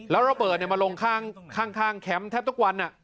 แล้วระเบิดมาลงข้างแคมป์แทบทุกวัน